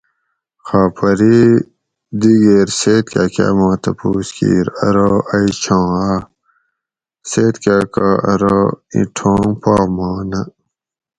"خاپری دِگیر سید کاکا ما تپوس کیر ارو ""ائ چھاں آ؟"" سید کاکا ارو ""ایں ٹھونگ پا ماں نہ"""